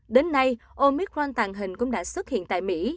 đến nay omicron tàng hình cũng đã xuất hiện tại mỹ